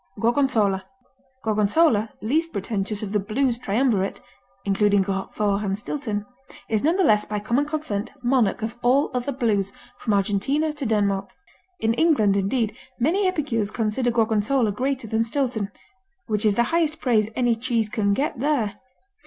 Gorgonzola Gorgonzola, least pretentious of the Blues triumvirate (including Roquefort and Stilton) is nonetheless by common consent monarch of all other Blues from Argentina to Denmark. In England, indeed, many epicures consider Gorgonzola greater than Stilton, which is the highest praise any cheese can get there.